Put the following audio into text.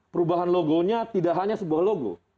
perubahan logonya tidak hanya sebuah logo